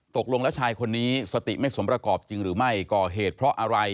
ตกลงแล้วชายคนนี้สติไม่สมประกอบจริงหรือไม่ก่อเหตุเพราะอะไร